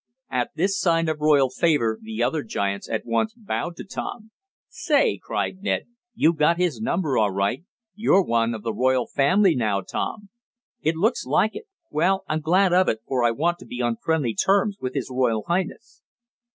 At this sign of royal favor the other giants at once bowed to Tom. "Say," cried Ned, "you've got his number all right! You're one of the royal family now, Tom." "It looks like it. Well, I'm glad of it, for I want to be on friendly terms with His Royal Highness."